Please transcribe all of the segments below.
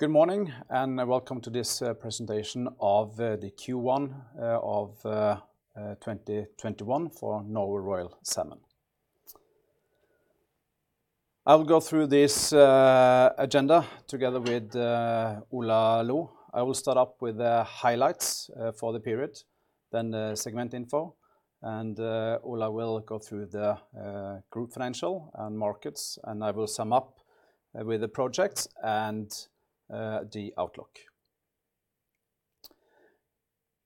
Good morning, and welcome to this presentation of the Q1 2021 for Norway Royal Salmon. I will go through this agenda together with Ola Loe. I will start up with the highlights for the period, then the segment info, and Ola will go through the group financial and markets, and I will sum up with the projects and the outlook.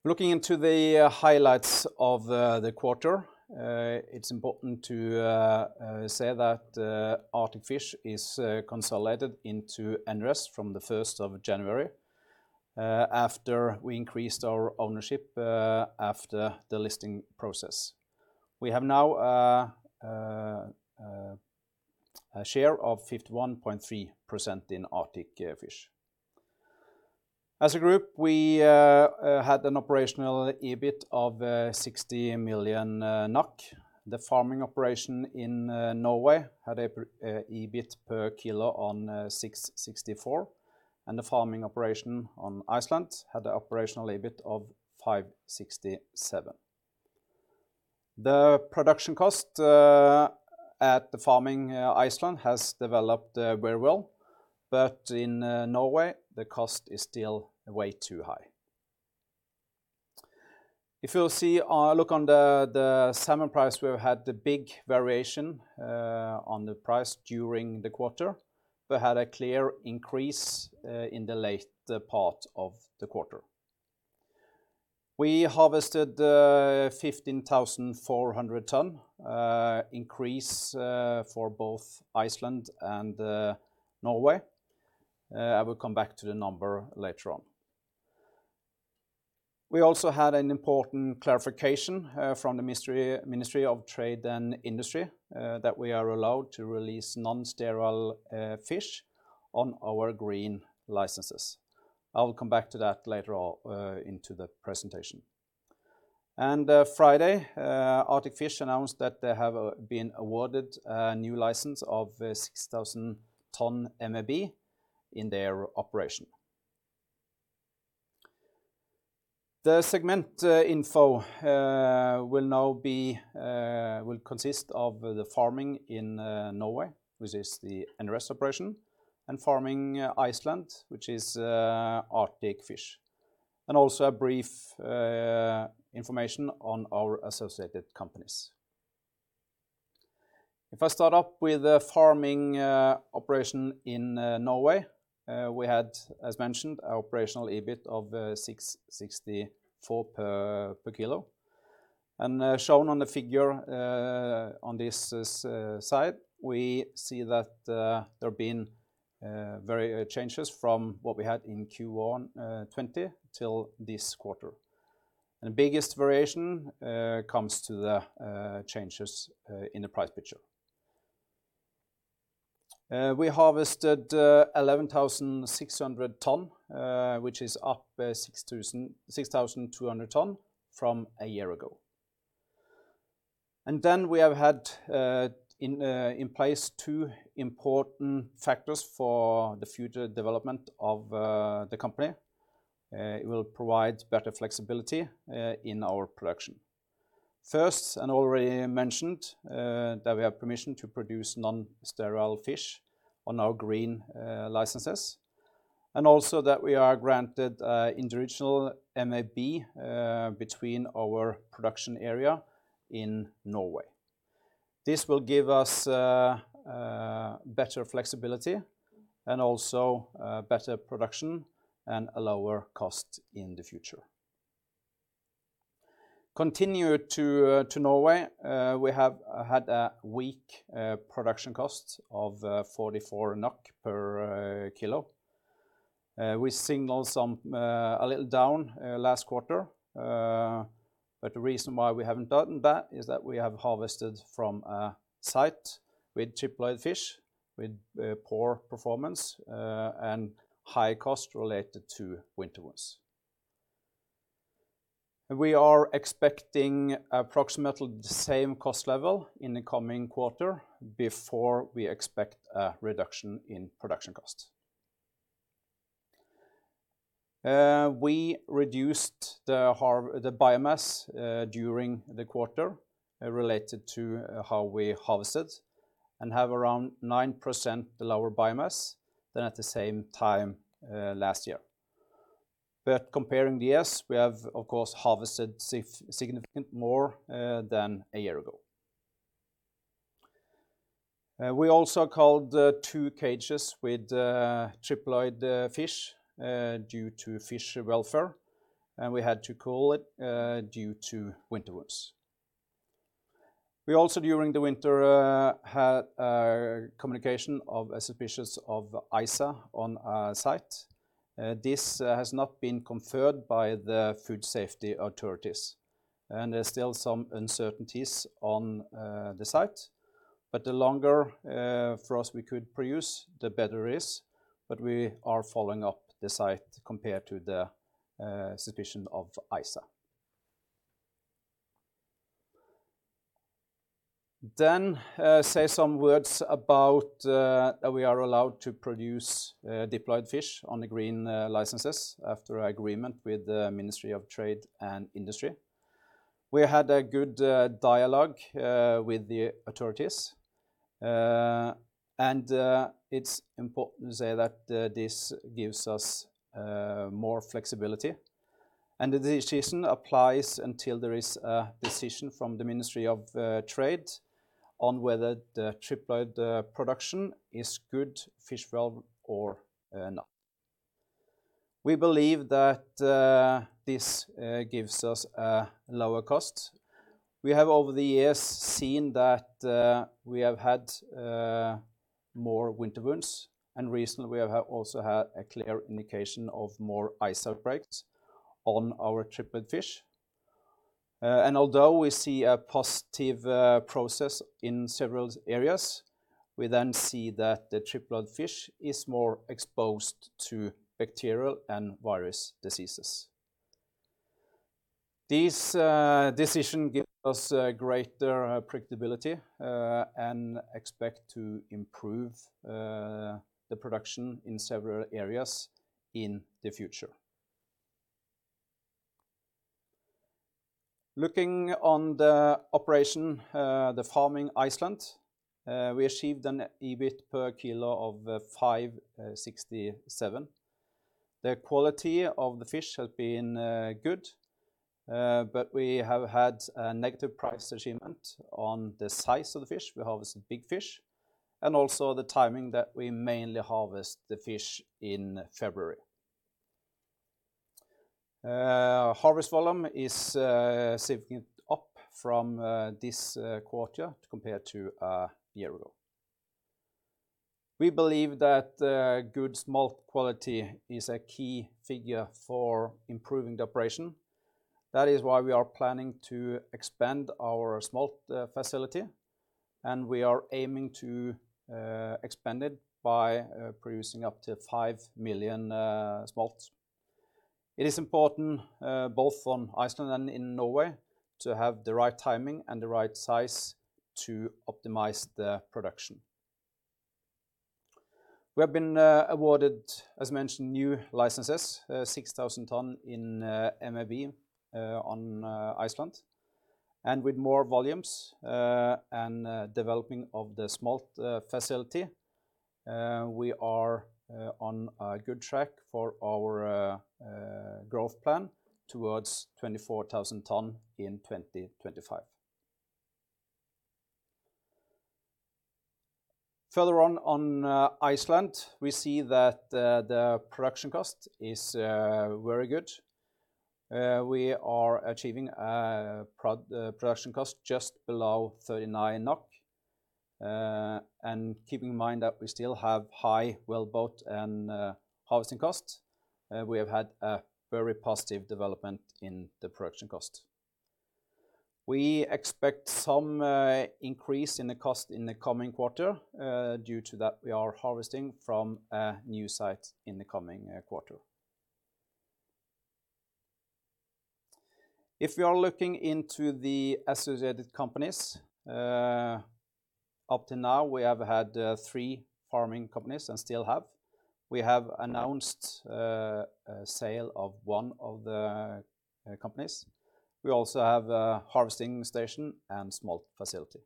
Looking into the highlights of the quarter, it's important to say that Arctic Fish is consolidated into NRS from the 1st of January, after we increased our ownership after the listing process. We have now a share of 51.3% in Arctic Fish. As a group, we had an operational EBIT of 60 million. The farming operation in Norway had a EBIT per kilo on 6.64, and the farming operation on Iceland had the operational EBIT of 5.67. The production cost at the farming Iceland has developed very well, but in Norway the cost is still way too high. If you'll look on the salmon price, we've had the big variation on the price during the quarter. We had a clear increase in the later part of the quarter. We harvested 15,400 tonne, increase for both Iceland and Norway. I will come back to the number later on. We also had an important clarification from the Ministry of Trade, Industry and Fisheries, that we are allowed to release non-sterile fish on our green licenses. I will come back to that later on into the presentation. Friday, Arctic Fish announced that they have been awarded a new license of 6,000 tonne MAB in their operation. The segment info will consist of the farming in Norway, which is the NRS operation, and farming Iceland, which is Arctic Fish, and also a brief information on our associated companies. Shown on the figure on this side, we see that there have been changes from what we had in Q1 2020 till this quarter. The biggest variation comes to the changes in the price picture. We harvested 11,600 tonne, which is up 6,200 tonne from a year ago. We have had in place two important factors for the future development of the company. It will provide better flexibility in our production. First, already mentioned, that we have permission to produce non-sterile fish on our green licenses, and also that we are granted individual MAB between our production area in Norway. This will give us better flexibility and also better production and a lower cost in the future. Continue to Norway, we have had a weak production cost of 44 NOK per kilo. We signal a little down last quarter, the reason why we haven't done that is that we have harvested from a site with triploid fish with poor performance, and high cost related to winter wounds. We are expecting approximately the same cost level in the coming quarter before we expect a reduction in production cost. We reduced the biomass during the quarter related to how we harvested, and have around 9% lower biomass than at the same time last year. Comparing the S, we have, of course, harvested significant more than a year ago. We also culled two cages with triploid fish due to fish welfare, and we had to cull it due to winter wounds. We also, during the winter, had a communication of suspicion of ISA on a site. This has not been confirmed by the food safety authorities, and there's still some uncertainties on the site. The longer frost we could produce, the better it is. We are following up the site compared to the suspicion of ISA. Say some words about that we are allowed to produce triploid fish on the green licenses after agreement with the Ministry of Trade, Industry and Fisheries. We had a good dialogue with the authorities. It's important to say that this gives us more flexibility, and the decision applies until there is a decision from the Ministry of Trade on whether the triploid production is good fish welfare or not. We believe that this gives us a lower cost. We have, over the years, seen that we have had more winter wounds, and recently we have also had a clear indication of more ISA outbreaks on our triploid fish. Although we see a positive process in several areas, we then see that the triploid fish is more exposed to bacterial and virus diseases. This decision gives us greater predictability, and expect to improve the production in several areas in the future. Looking on the operation, the farming Iceland, we achieved an EBIT per kilo of 5.67. The quality of the fish has been good, but we have had a negative price achievement on the size of the fish. We harvest big fish. Also the timing that we mainly harvest the fish in February. Harvest volume is shifting up from this quarter compared to a year ago. We believe that good smolt quality is a key figure for improving the operation. That is why we are planning to expand our smolt facility, and we are aiming to expand it by producing up to 5 million smolts. It is important both on Iceland and in Norway to have the right timing and the right size to optimize the production. We have been awarded, as mentioned, new licenses, 6,000 tonne in MAB on Iceland. With more volumes, and developing of the smolt facility, we are on a good track for our growth plan towards 24,000 tonne in 2025. Further on Iceland, we see that the production cost is very good. We are achieving a production cost just below 39 NOK. Keeping in mind that we still have high wellboat and harvesting costs, we have had a very positive development in the production cost. We expect some increase in the cost in the coming quarter, due to that we are harvesting from a new site in the coming quarter. If we are looking into the associated companies, up to now we have had three farming companies and still have. We have announced a sale of one of the companies. We also have a harvesting station and smolt facility.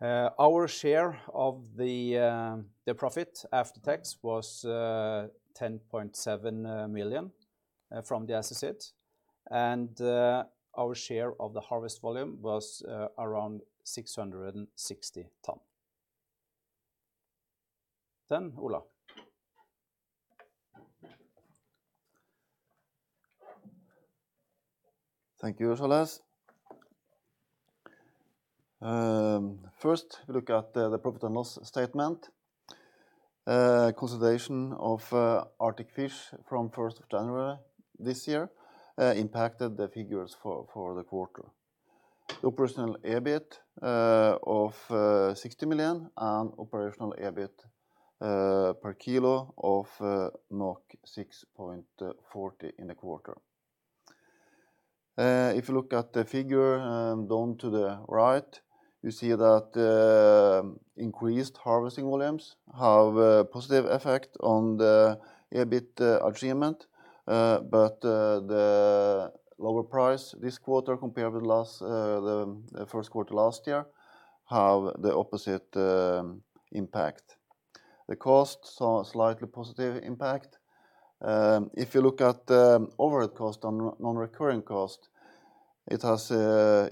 Our share of the profit after tax was 10.7 million from the associate, and our share of the harvest volume was around 660 tonne. Ola. Thank you, Charles. First, look at the profit and loss statement. Consolidation of Arctic Fish from 1st of January this year impacted the figures for the quarter. Operational EBIT of 60 million and operational EBIT per kilo of 6.40 in the quarter. If you look at the figure down to the right, you see that increased harvesting volumes have a positive effect on the EBIT achievement, but the lower price this quarter compared with Q1 last year have the opposite impact. The cost saw a slightly positive impact. If you look at the overhead cost on non-recurring cost, it has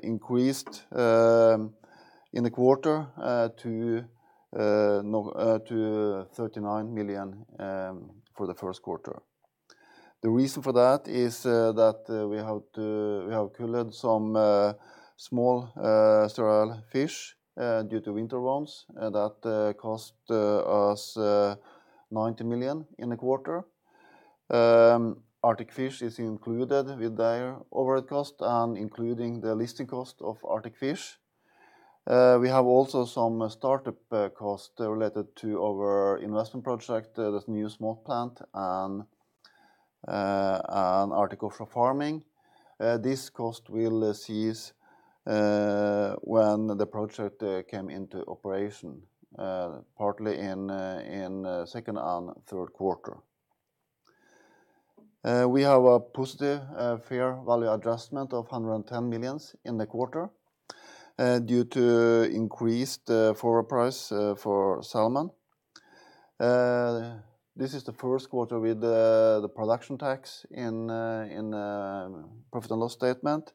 increased in the quarter to NOK 39 million for Q1. The reason for that is that we have culled some small sterile fish due to winter wounds that cost us 90 million in the quarter. Arctic Fish is included with their overhead cost and including the listing cost of Arctic Fish. We have also some startup costs related to our investment project, this new smolt plant and Arctic Offshore Farming. This cost will cease when the project came into operation, partly in second and third quarter. We have a positive fair value adjustment of 110 million in the quarter due to increased forward price for salmon. This is the first quarter with the production tax in profit and loss statement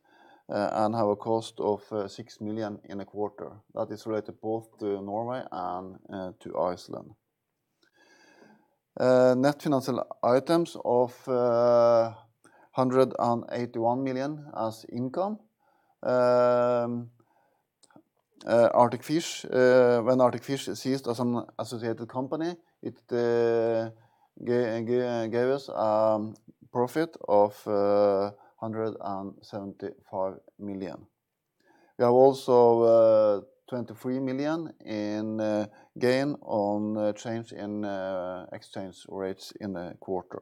and have a cost of 6 million in a quarter that is related both to Norway and to Iceland. Net financial items of 181 million as income. When Arctic Fish ceased as an associated company, it gave us profit of 175 million. We have also 23 million in gain on change in exchange rates in the quarter.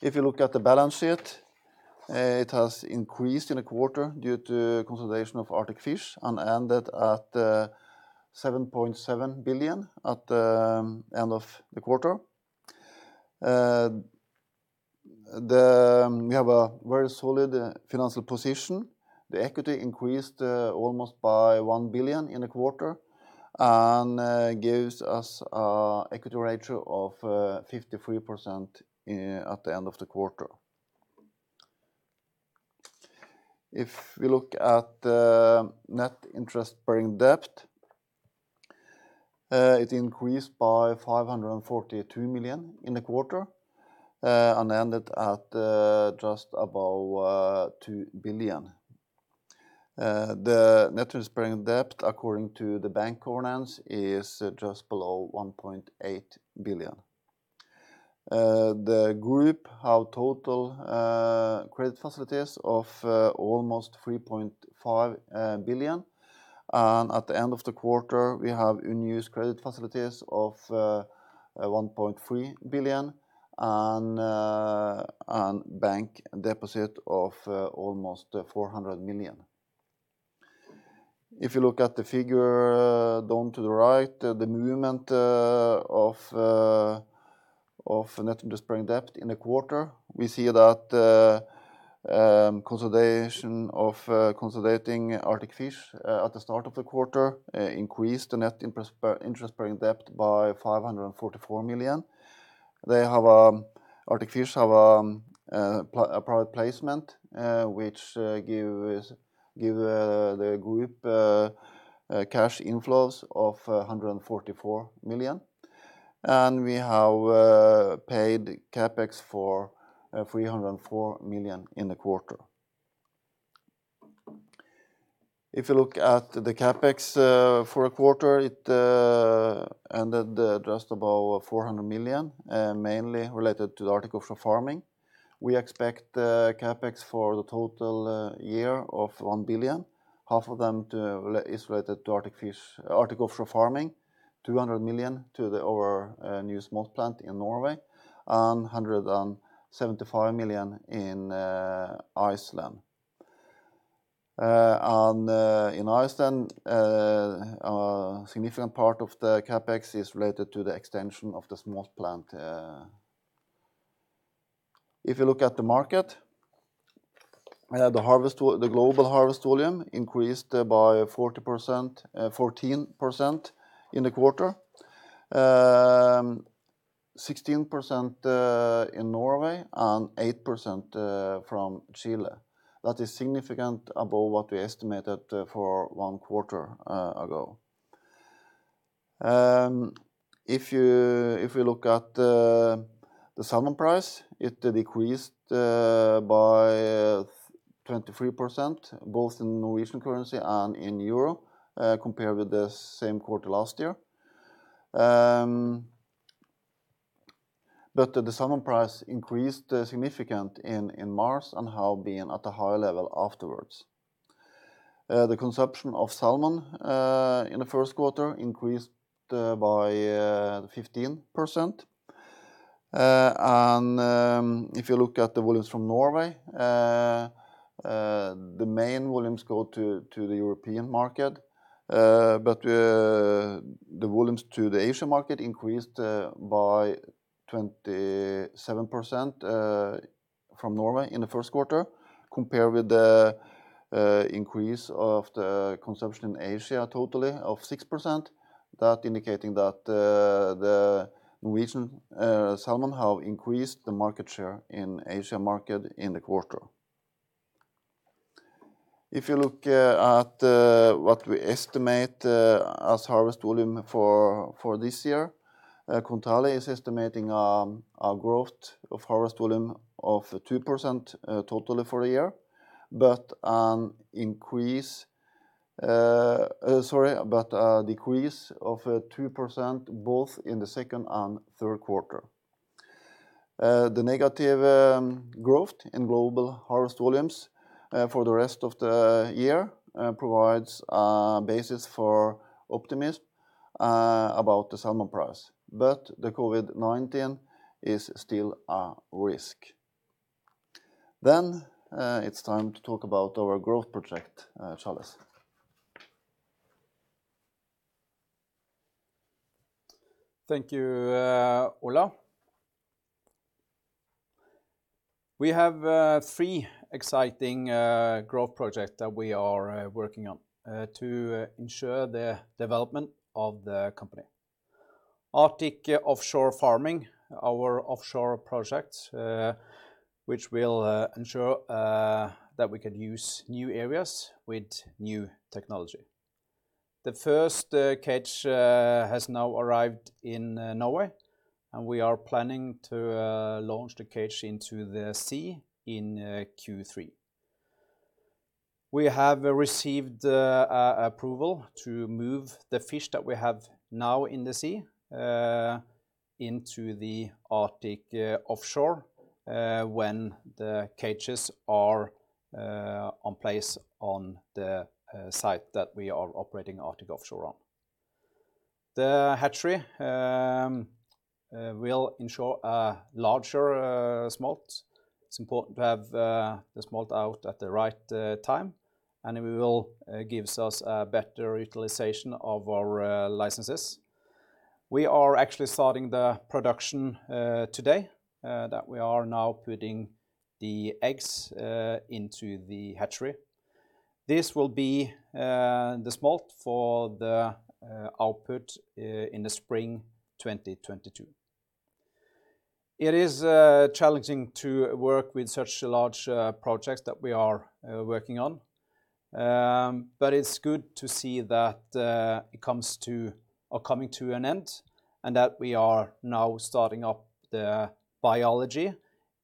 If you look at the balance sheet, it has increased in the quarter due to consolidation of Arctic Fish and ended at 7.7 billion at the end of the quarter. We have a very solid financial position. The equity increased almost by 1 billion in the quarter and gives us an equity ratio of 53% at the end of the quarter. If we look at the net interest-bearing debt, it increased by 542 million in the quarter and ended at just above 2 billion. The net interest-bearing debt, according to the bank covenants, is just below 1.8 billion. The group have total credit facilities of almost 3.5 billion and at the end of the quarter, we have unused credit facilities of 1.3 billion and bank deposit of almost 400 million. You look at the figure down to the right, the movement of net interest-bearing debt in the quarter, we see that consolidating Arctic Fish at the start of the quarter increased the net interest-bearing debt by 544 million. Arctic Fish have a private placement which give the group cash inflows of 144 million. We have paid CapEx for 304 million in the quarter. You look at the CapEx for a quarter, it ended just above 400 million, mainly related to the Arctic Offshore Farming. We expect CapEx for the total year of 1 billion, half of them is related to Arctic Offshore Farming, 200 million to our new smolt plant in Norway, and 175 million in Iceland. In Iceland, a significant part of the CapEx is related to the extension of the smolt plant. If you look at the market, the global harvest volume increased by 14% in the quarter, 16% in Norway and 8% from Chile. That is significant above what we estimated for one quarter ago. If you look at the salmon price, it decreased by 23%, both in NOK and in EUR compared with the same quarter last year. The salmon price increased significant in March and have been at a higher level afterwards. The consumption of salmon in the first quarter increased by 15%. If you look at the volumes from Norway, the main volumes go to the European market but the volumes to the Asian market increased by 27% from Norway in the first quarter, compared with the increase of the consumption in Asia totally of 6%. That indicating that the Norwegian salmon have increased the market share in Asia market in the quarter. If you look at what we estimate as harvest volume for this year, Kontali is estimating a growth of harvest volume of 2% totally for the year but a decrease of 2% both in the second and third quarter. The negative growth in global harvest volumes for the rest of the year provides a basis for optimism about the salmon price. The COVID-19 is still a risk. It's time to talk about our growth project. Charles. Thank you, Ola. We have three exciting growth projects that we are working on to ensure the development of the company. Arctic Offshore Farming, our offshore projects, which will ensure that we can use new areas with new technology. The first cage has now arrived in Norway. We are planning to launch the cage into the sea in Q3. We have received approval to move the fish that we have now in the sea into the Arctic Offshore when the cages are on place on the site that we are operating Arctic Offshore on. The hatchery will ensure a larger smolt. It is important to have the smolt out at the right time. It will give us a better utilization of our licenses. We are actually starting the production today, that we are now putting the eggs into the hatchery. This will be the smolt for the output in the spring 2022. It is challenging to work with such large projects that we are working on, but it's good to see that it coming to an end and that we are now starting up the biology.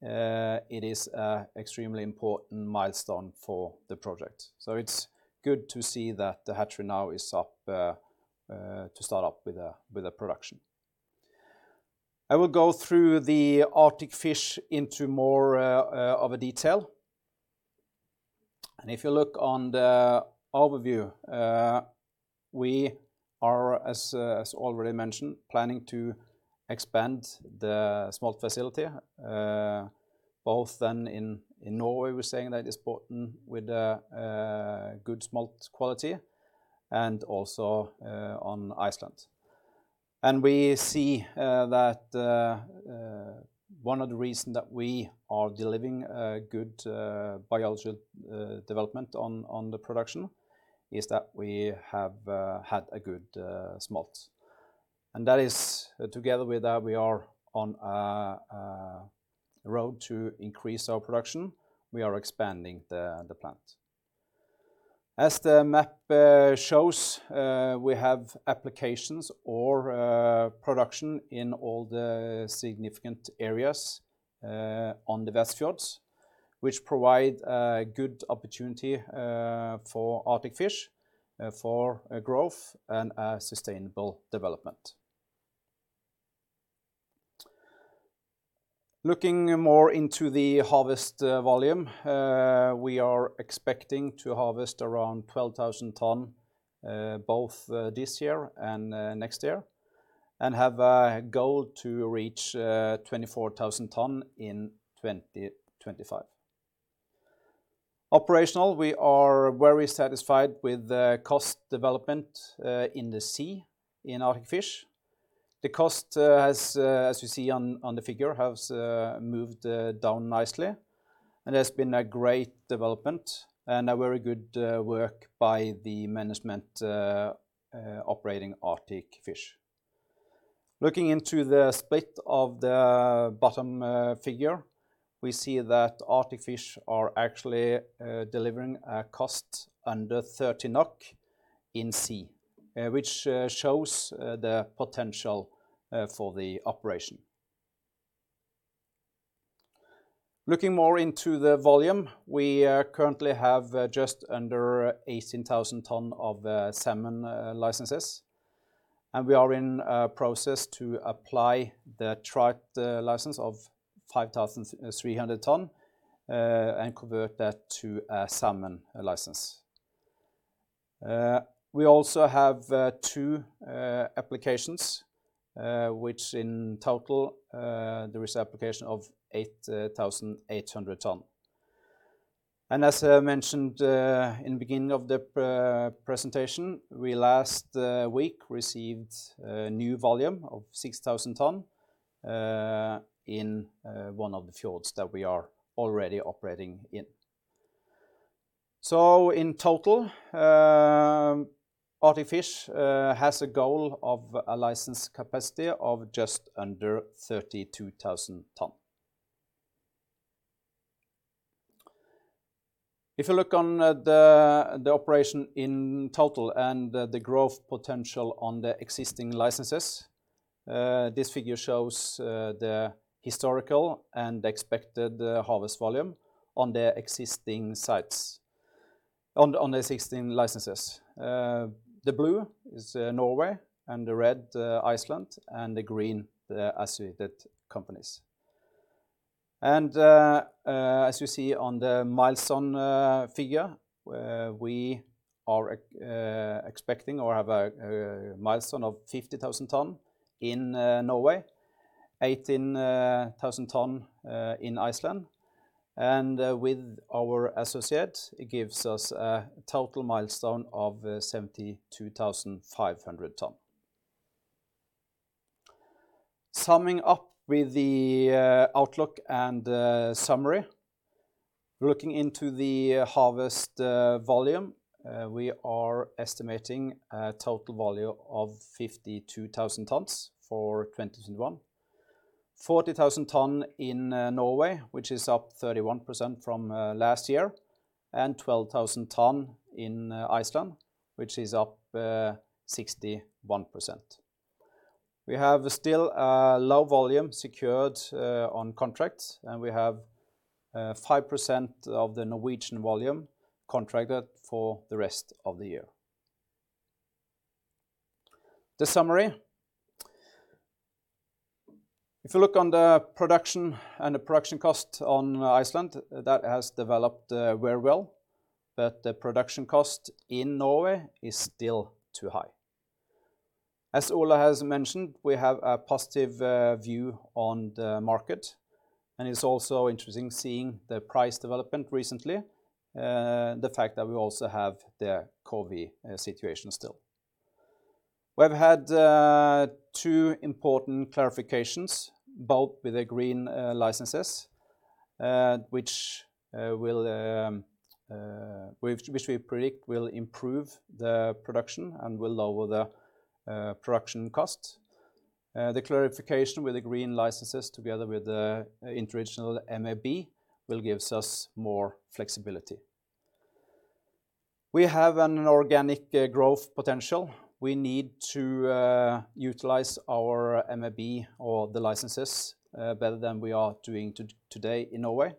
It is extremely important milestone for the project. It's good to see that the hatchery now is up to start up with the production. I will go through the Arctic Fish into more of a detail. If you look on the overview, we are, as already mentioned, planning to expand the smolt facility, both then in Norway, we're saying that it's important with a good smolt quality and also on Iceland. We see that one of the reason that we are delivering good biology development on the production is that we have had a good smolt. That is together with that, we are on a road to increase our production. We are expanding the plant. As the map shows, we have applications or production in all the significant areas on the West Fjords, which provide a good opportunity for Arctic Fish for growth and sustainable development. Looking more into the harvest volume. We are expecting to harvest around 12,000 tonne both this year and next year, and have a goal to reach 24,000 tonne in 2025. Operational, we are very satisfied with the cost development in the sea in Arctic Fish. The cost, as you see on the figure, has moved down nicely and has been a great development and a very good work by the management operating Arctic Fish. Looking into the split of the bottom figure, we see that Arctic Fish are actually delivering a cost under 30 NOK in sea, which shows the potential for the operation. Looking more into the volume, we currently have just under 18,000 tonne of salmon licenses, and we are in a process to apply the trout license of 5,300 tonne and convert that to a salmon license. We also have two applications, which in total, there is application of 8,800 tonne. As I mentioned in beginning of the presentation, we last week received a new volume of 6,000 tonne in one of the fjords that we are already operating in. In total, Arctic Fish has a goal of a license capacity of just under 32,000 tonne. If you look on the operation in total and the growth potential on the existing licenses, this figure shows the historical and expected harvest volume on the existing sites. On the 16 licenses. The blue is Norway, the red Iceland, and the green the associated companies. As you see on the milestone figure, we are expecting or have a milestone of 50,000 tonne in Norway, 18,000 tonne in Iceland. With our associates, it gives us a total milestone of 72,500 tonne. Summing up with the outlook and summary. Looking into the harvest volume, we are estimating a total volume of 52,000 tonnes for 2021. 40,000 tonne in Norway, which is up 31% from last year, and 12,000 tonne in Iceland, which is up 61%. We have still a low volume secured on contracts, and we have 5% of the Norwegian volume contracted for the rest of the year. The summary. If you look on the production and the production cost on Iceland, that has developed very well, but the production cost in Norway is still too high. As Ola Loe has mentioned, we have a positive view on the market. It's also interesting seeing the price development recently, the fact that we also have the COVID situation still. We've had two important clarifications, both with the green licenses, which we predict will improve the production and will lower the production cost. The clarification with the green licenses together with the interregional MAB will gives us more flexibility. We have an organic growth potential. We need to utilize our MAB or the licenses better than we are doing today in Norway.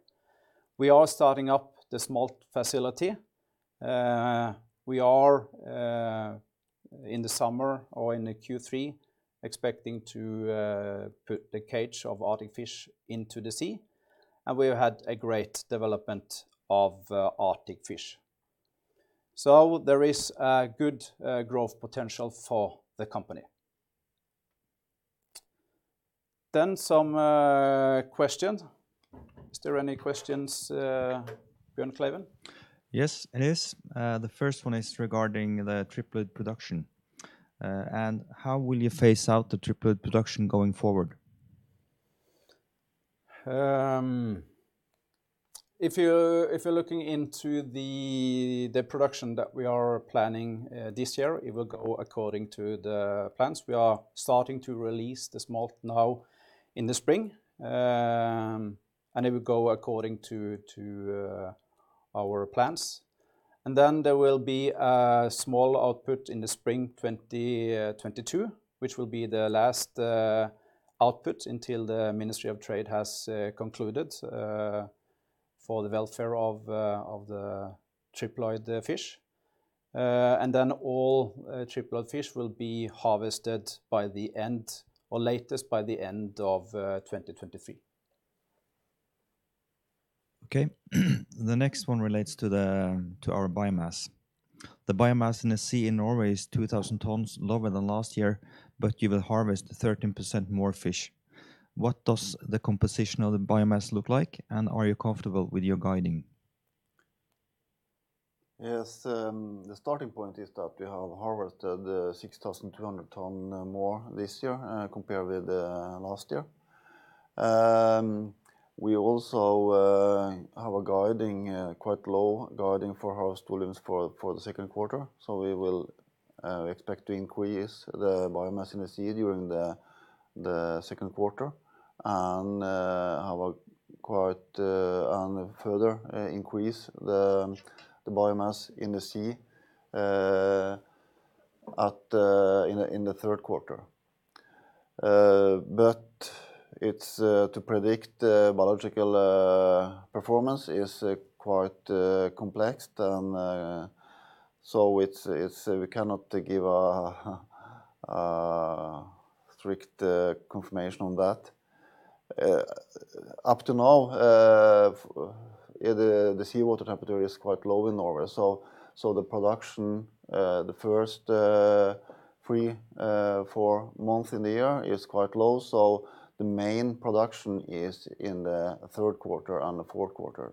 We are starting up the smolt facility. We are in the summer or in the Q3 expecting to put the cage of Arctic Fish into the sea, and we have had a great development of Arctic Fish. There is a good growth potential for the company. Some questions. Is there any questions, Bjorn Fleivig? Yes, there is. The first one is regarding the triploid production. How will you phase out the triploid production going forward? If you're looking into the production that we are planning this year, it will go according to the plans. We are starting to release the smolt now in the spring. It will go according to our plans. There will be a small output in the spring 2022, which will be the last output until the Ministry of Trade has concluded for the welfare of the triploid fish. All triploid fish will be harvested by the end or latest by the end of 2023. Okay. The next one relates to our biomass. The biomass in the sea in Norway is 2,000 tonnes lower than last year. You will harvest 13% more fish. What does the composition of the biomass look like? Are you comfortable with your guiding? Yes. The starting point is that we have harvested 6,200 tonne more this year compared with last year. We also have a guiding, quite low guiding for harvest volumes for the second quarter. We will expect to increase the biomass in the sea during the second quarter and have a quite further increase the biomass in the sea in the third quarter. To predict biological performance is quite complex. We cannot give a strict confirmation on that. Up to now, the seawater temperature is quite low in Norway, so the production, the first three, four months in the year is quite low. The main production is in the third quarter and the fourth quarter.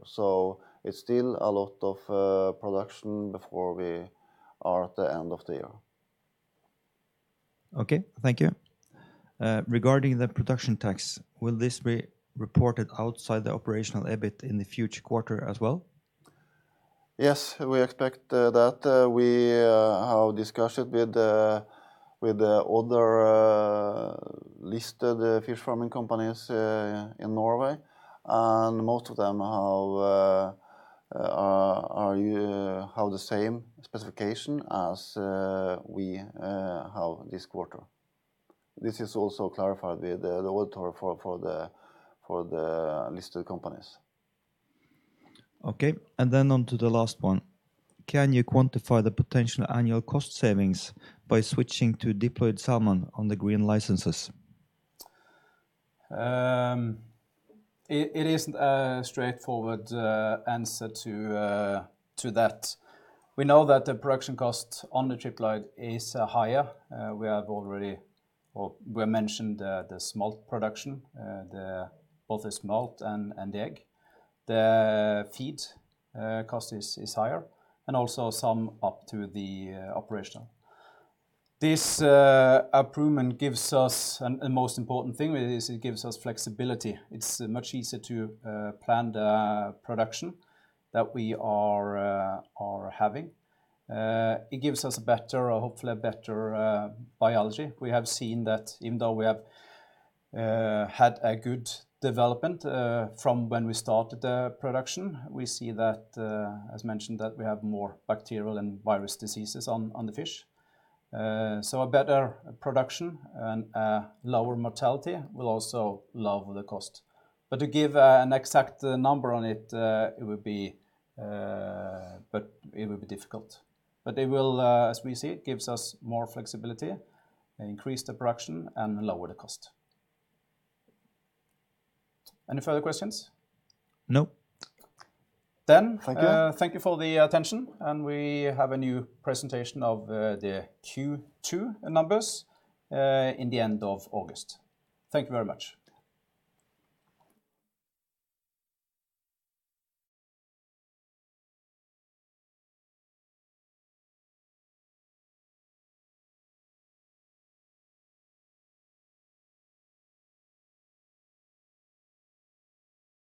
It's still a lot of production before we are at the end of the year. Okay, thank you. Regarding the production tax, will this be reported outside the operational EBIT in the future quarter as well? Yes, we expect that. We have discussed it with the other listed fish farming companies in Norway, and most of them have the same specification as we have this quarter. This is also clarified with the auditor for the listed companies. Okay, on to the last one. Can you quantify the potential annual cost savings by switching to diploid salmon on the green licenses? It isn't a straightforward answer to that. We know that the production cost on the triploid is higher. We mentioned the smolt production, both the smolt and the egg. The feed cost is higher, and also some up to the operation. This improvement gives us, and the most important thing is it gives us flexibility. It's much easier to plan the production that we are having. It gives us hopefully a better biology. We have seen that even though we have had a good development from when we started the production, we see that, as mentioned, that we have more bacterial and virus diseases on the fish. A better production and lower mortality will also lower the cost. To give an exact number on it would be difficult. As we see, it gives us more flexibility, increase the production, and lower the cost. Any further questions? No. Then. Thank you. Thank you for the attention, and we have a new presentation of the Q2 numbers in the end of August. Thank you very much.